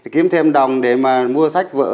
kiếm thêm đồng để mà mua sách vỡ